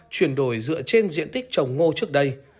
chuyển đổi dựa trên diện tích trồng ngô trước đây